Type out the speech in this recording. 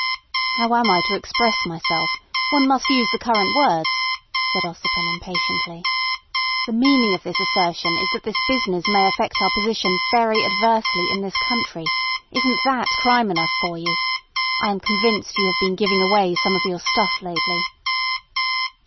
"How am I to express myself? One must use the current words," said Ossipon impatiently. "The meaning of this assertion is that this business may affect our position very adversely in this country. Isn't that crime enough for you? I am convinced you have been giving away some of your stuff lately."